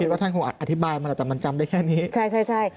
คิดว่าท่านคงอธิบายมันละแต่มันจำได้แค่นี้ใช่